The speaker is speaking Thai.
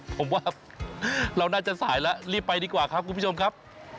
ผมว่าเราน่าจะสายแล้วรีบไปดีกว่าครับคุณผู้ชมครับ